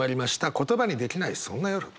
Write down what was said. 「言葉にできない、そんな夜。」。